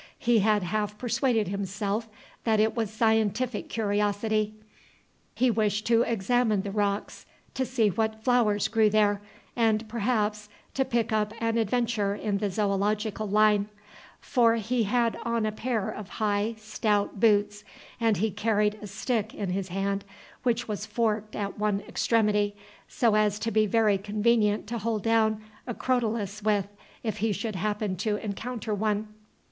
He had half persuaded himself that it was scientific curiosity. He wished to examine the rocks, to see what flowers grew there, and perhaps to pick up an adventure in the zoological line; for he had on a pair of high, stout boots, and he carried a stick in his hand, which was forked at one extremity, so as to be very convenient to hold down a crotalus with, if he should happen to encounter one.